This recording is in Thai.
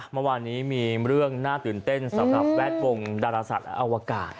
เมื่อวานนี้มีเรื่องน่าตื่นเต้นสำหรับแวดวงดาราสัตว์และอวกาศ